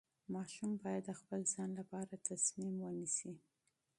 ماشوم باید د خپل ځان لپاره تصمیم ونیسي.